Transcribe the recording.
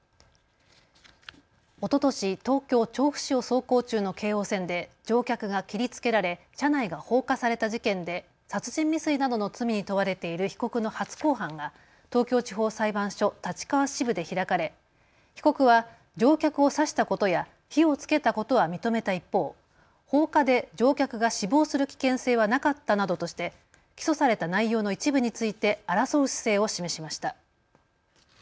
おととし、東京調布市を走行中の京王線で乗客が切りつけられ車内が放火された事件で殺人未遂などの罪に問われている被告の初公判が東京地方裁判所立川支部で開かれ被告は乗客を刺したことや火をつけたことは認めた一方、放火で乗客が死亡する危険性はなかったなどとして起訴された内容の一部について争う姿勢を示しました。